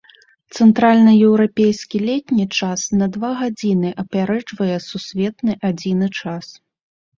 Цэнтральнаеўрапейскі летні час на два гадзіны апярэджвае сусветны адзіны час.